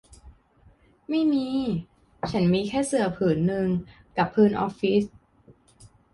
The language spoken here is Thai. ไม่มี ฉันมีแค่เสื่อผืนหนึ่งกับพื้นออฟฟิศ